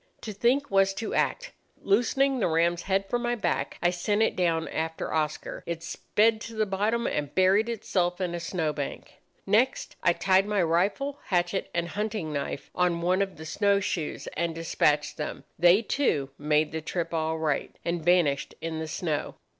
To think was to act. Loosening the ram's head from my back, I sent it down after Oscar. It sped to the bottom and buried itself in a snow bank. Next I tied my rifle, hatchet, and hunting knife on one of the snow shoes, and despatched them. They, too, made the trip all right, and vanished in the snow.